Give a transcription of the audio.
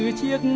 anh gửi tặng